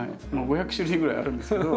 ５００種類ぐらいあるんですけど